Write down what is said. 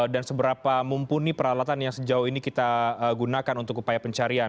dan seberapa mumpuni peralatan yang sejauh ini kita gunakan untuk upaya pencarian